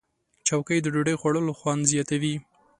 چوکۍ د ډوډۍ خوړلو خوند زیاتوي.